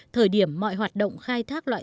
thời điểm mọi hoạt động khai thác